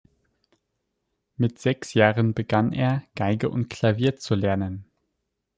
Mit sechs Jahren begann er, Geige und Klavier zu lernen.